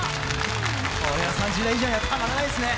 これは３０代以上にはたまらないですね！